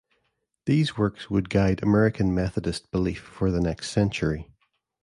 These works would guide American Methodist belief for the next century.